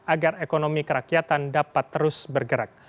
agar ekonomi kerakyatan dapat terus bergerak